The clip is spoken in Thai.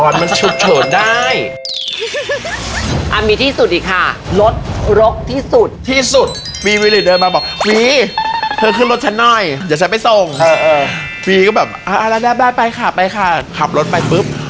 เรื่องที่หนึ่งตอนที่รู้ว่าต้องใส่กะเกงใน